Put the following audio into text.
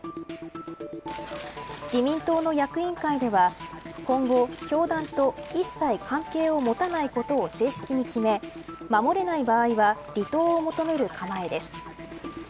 自民党の役員会では今後、教団と一切関係を持たないことを正式に決め守れない場合は離党を求める構えです。